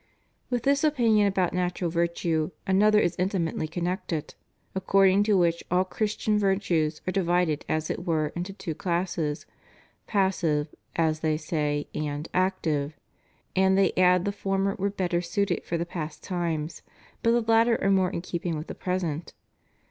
With this opinion about natural virtue, another is in timately connected, according to which all Christian vir tues are divided as it were into two classes, passive as they say, and active; and they add the former were better suited for the past times, but the latter are more in keeping with the present.